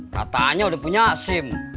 katanya udah punya sim